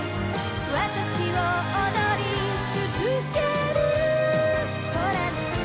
「わたしを踊りつづける」「ほらね」